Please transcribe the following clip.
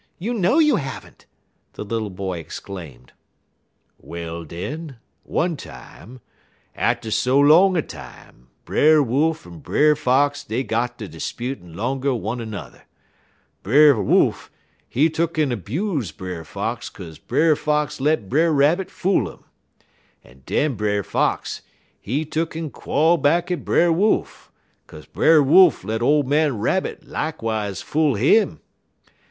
You know you have n't!" the little boy exclaimed. "Well, den, one day, atter so long a time, Brer Wolf en Brer Fox dey got ter 'sputin' 'longer one er n'er. Brer Wolf, he tuck'n 'buse Brer Fox kaze Brer Fox let Brer Rabbit fool 'im, en den Brer Fox, he tuck'n quol back at Brer Wolf, kaze Brer Wolf let ole man Rabbit lakwise fool 'im.